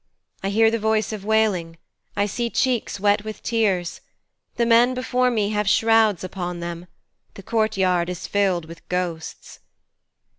'I hear the voice of wailing. I see cheeks wet with tears. The men before me have shrouds upon them. The courtyard is filled with ghosts.'